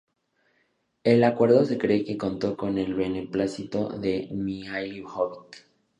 El acuerdo se cree que contó con el beneplácito de Mihailović.